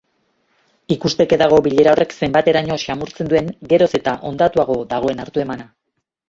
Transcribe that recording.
Ikusteke dago bilera horrek zenbaiteraino xamurtzen duen geroz eta ondatuago dagoen hartuemana.